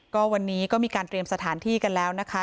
ก็วันนี้ก็มีการเตรียมสถานที่กันแล้วนะคะ